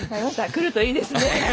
来るといいですね！